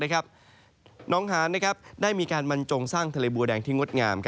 น้องหานได้มีการบรรจงสร้างทะเลบัวแดงที่งดงาม